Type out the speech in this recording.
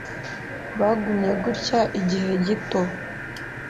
Bagumye gutya igihe gito.